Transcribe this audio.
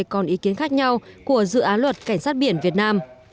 còn ý kiến khác nhau của dự án luật cảnh sát biển việt nam